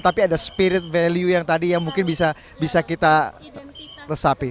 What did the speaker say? tapi perayaan yang tadi yang mungkin bisa kita resapi